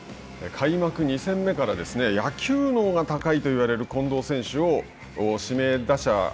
開幕２戦目から野球脳が高いといわれる近藤選手を指名打者